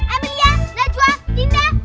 amelia najwa dinda